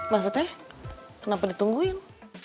maksudnya kenapa ditungguin